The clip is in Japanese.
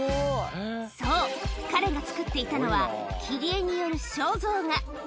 そう彼が作っていたのは切り絵による肖像画